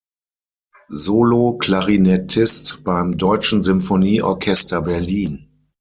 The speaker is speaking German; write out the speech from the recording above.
Solo-Klarinettist beim Deutschen Symphonie-Orchester Berlin.